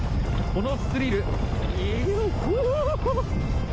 このスリル。